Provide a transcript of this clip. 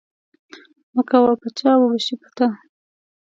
مکوه په چا چی وبه شی په تا